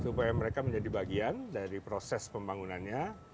supaya mereka menjadi bagian dari proses pembangunannya